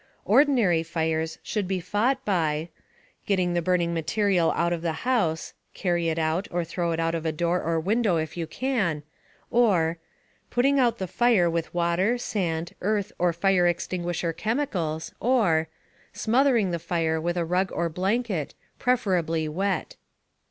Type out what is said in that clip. Ordinary fires should be fought by: Getting the burning material out of the house (carry it out, or throw it out of a door or window if you can); or Putting out the fire with water, sand, earth or fire extinguisher chemicals; or Smothering the fire with a rug or blanket, preferably wet.